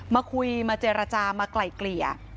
มาคุยมาเจรจามาไกล่เกลี่ย